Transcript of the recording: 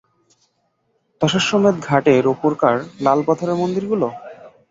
দশাশ্বমেধ ঘাটের ওপরকার লালপাথরের মন্দিরগুলা?